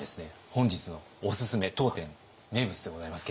本日のおすすめ当店名物でございますけれども。